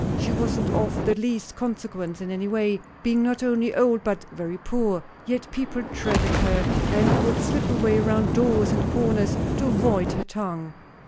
She wasn't of the least consequence in any way, being not only old but very poor; yet people dreaded her, and would slip away round doors and corners to avoid her tongue.